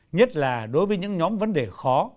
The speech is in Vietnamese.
nhất là đối với những nhóm vấn đề khó